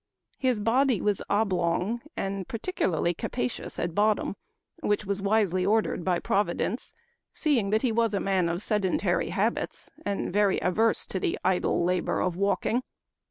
His body was oblong, and particularly capacious at 60 Memoir of Washington Irving. bottom, which was wisely ordered by Providence, seeing that he was a man of sedentary habits, and very averse to the idle labor of walking.